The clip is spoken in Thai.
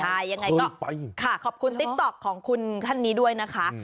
ใช่ยังไงก็ไปค่ะขอบคุณติ๊กต๊อกของคุณท่านนี้ด้วยนะคะ